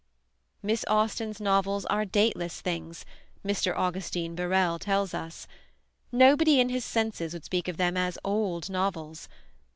"Miss Austen's novels are dateless things," Mr. Augustine Birrell tells us. "Nobody in his senses would speak of them as 'old novels.'